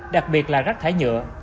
đặc biệt là rác thải nhựa